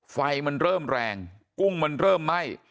ไฟมันเริ่มแรงกุ้งมันเริ่มไหม้